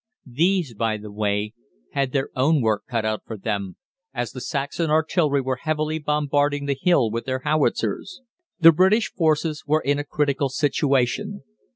These, by the way, had their own work cut out for them, as the Saxon artillery were heavily bombarding the hill with their howitzers. The British forces were in a critical situation.